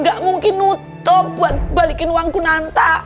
gak mungkin nutup buat balikin uang kunanta